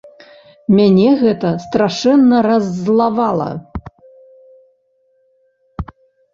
Мяне гэта страшэнна раззлавала.